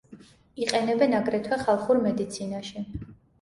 იყენებენ აგრეთვე ხალხურ მედიცინაში.